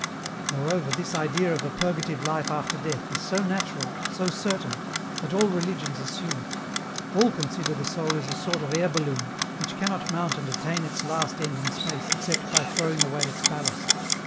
" Moreover this idea of a purgative life after death is so natural, so certain, that all religions assume it All consider the soul is a sort of air balloon, which cannot mount and attain its last end in space except by throwing away its ballast.